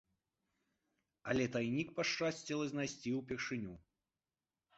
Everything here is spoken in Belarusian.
Але тайнік пашчасціла знайсці ўпершыню.